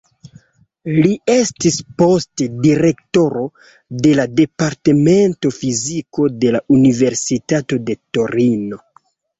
Li estis poste direktoro de la Departemento Fiziko de la Universitato de Torino.